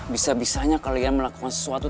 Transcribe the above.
bisa bisanya kalian melakukan sesuatu